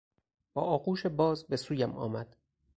با آغوش باز به سویم آمد.